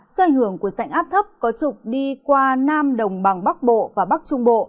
do ảnh hưởng của sảnh áp thấp có trục đi qua nam đồng bằng bắc bộ và bắc trung bộ